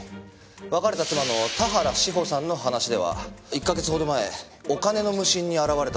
別れた妻の田原志穂さんの話では１カ月ほど前お金の無心に現れたそうです。